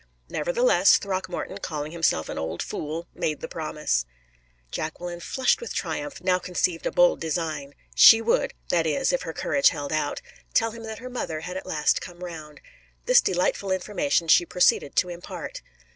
Nevertheless, Throckmorton, calling himself an old fool, made the promise. Jacqueline, flushed with triumph, now conceived a bold design. She would that is, if her courage held out tell him that her mother had at last come round. This delightful information she proceeded to impart.